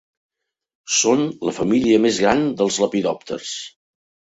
Són la família més gran dels lepidòpters.